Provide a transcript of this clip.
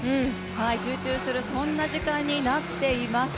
集中する、そんな時間になっています。